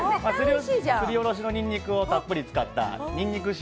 すりおろしのにんにくをたっぷり使ったにんにく塩